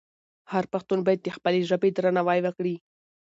هر پښتون باید د خپلې ژبې درناوی وکړي.